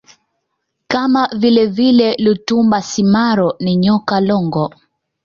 kama vilevile Lutumba Simaro na Nyoka Longo